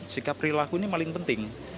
sikap perilaku ini paling penting